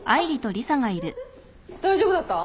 大丈夫だった？